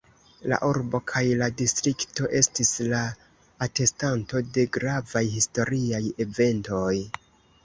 La urbo kaj la distrikto estis la atestanto de gravaj historiaj eventoj.